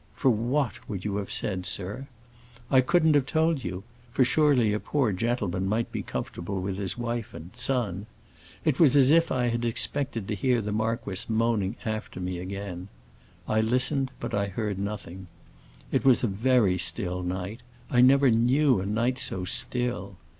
For what, would you have said, sir? I couldn't have told you; for surely a poor gentleman might be comfortable with his wife and his son. It was as if I expected to hear the marquis moaning after me again. I listened, but I heard nothing. It was a very still night; I never knew a night so still.